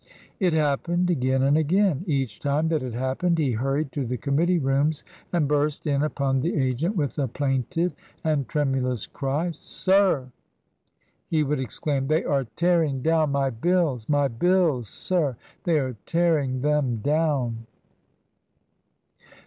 It hap pened again and again. Each time that it happened he hurried to the committee rooms and burst in upon the agent with a plaintive and tremulous cry. " Sir !" he would exclaim, " they are tearing down my bills ! My bUlSy sir ! They are tearing them down